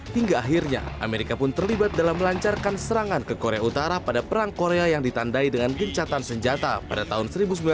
hingga akhirnya amerika pun terlibat dalam melancarkan serangan ke korea utara pada perang korea yang ditandai dengan gencatan senjata pada tahun seribu sembilan ratus sembilan puluh